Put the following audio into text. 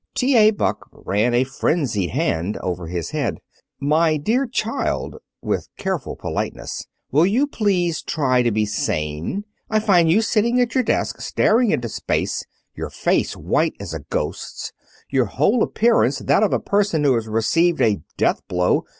T.A. Buck ran a frenzied hand over his head. "My dear child," with careful politeness, "will you please try to be sane? I find you sitting at your desk, staring into space, your face white as a ghost's, your whole appearance that of a person who has received a death blow.